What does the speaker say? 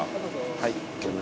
はい。